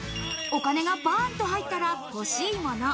お金がバンと入ったら欲しいもの。